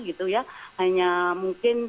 gitu ya hanya mungkin